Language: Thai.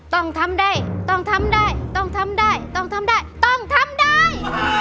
ต้องทำได้ต้องทำได้ต้องทำได้ต้องทำได้ต้องทำได้